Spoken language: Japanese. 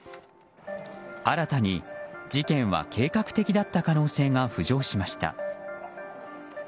新たに事件は計画的だった可能性が浮上しました。